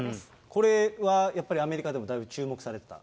これはやっぱり、アメリカでもだいぶ注目されてた？